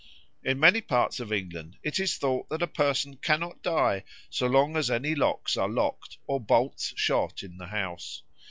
In many parts of England it is thought that a person cannot die so long as any locks are locked or bolts shot in the house.